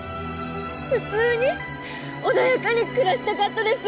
普通に穏やかに暮らしたかったです